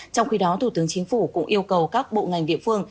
trong khi đó thủ tướng chính phủ cũng yêu cầu các bộ ngành địa phương